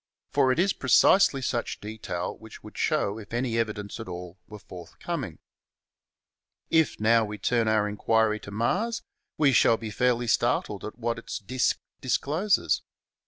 For it is precisely such detail which should show if any evidence at all were forthcoming. If, now, we turn our inquiry to Mars, we shall be fairly startled at what its disk discloses.